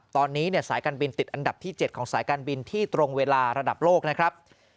ตอนนี้สายการบินติดอันดับที่๗ของสายการบินที่ตรงเวลาระดับโลกนะครับ